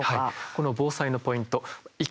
この防災のポイント一